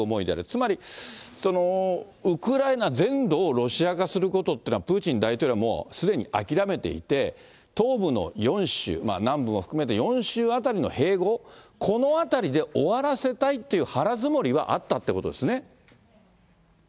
つまり、ウクライナ全土をロシア化するということというのは、プーチン大統領はもうすでに諦めていて、東部の４州、南部も含めて４州あたりの併合、このあたりで終わらせたいという腹積もりはあったってことですね。